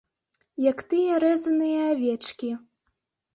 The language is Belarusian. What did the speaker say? Як тыя рэзаныя авечкі.